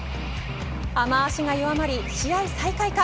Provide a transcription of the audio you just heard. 雨脚が弱まり試合再開か。